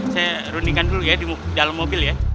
saya runnikan dulu ya di dalam mobil ya